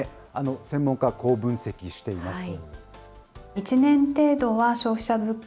専門家はこう分析しています。